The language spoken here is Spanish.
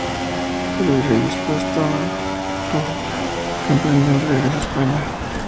El virrey depuesto tuvo que emprender el regreso a España.